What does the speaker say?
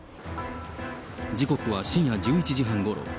時刻は深夜１１時半ごろ。